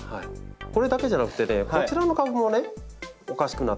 これだけじゃなくてねこちらの株もねおかしくなってきてるんですね。